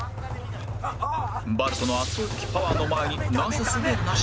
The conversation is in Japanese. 把瑠都の圧倒的パワーの前になすすべなし